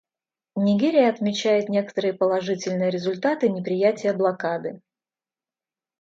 Нигерия отмечает некоторые положительные результаты неприятия блокады.